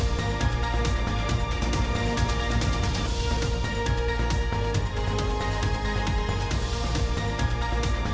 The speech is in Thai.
สวัสดีค่ะ